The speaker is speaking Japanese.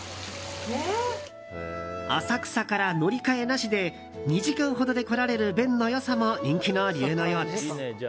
浅草から乗り換えなしで２時間ほどで来られる便の良さも人気の理由のようです。